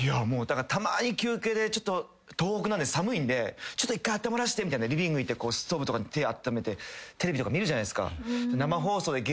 だからたまに休憩で東北なんで寒いんで１回あったまらしてみたいなリビング行ってストーブとかで手あっためてテレビとか見るじゃないですか。